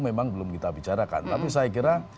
memang belum kita bicarakan tapi saya kira